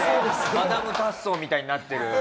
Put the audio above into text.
マダム・タッソーみたいになってる。